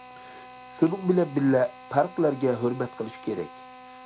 شۇنىڭ بىلەن بىللە، پەرقلەرگە ھۆرمەت قىلىش كېرەك.